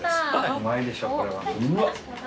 うまいでしょこれは。